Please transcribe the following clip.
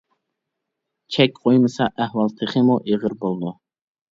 چەك قويمىسا ئەھۋال تېخىمۇ ئېغىر بولىدۇ.